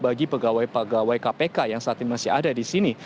bagi pegawai pegawai kpk yang saat ini masih ada di sini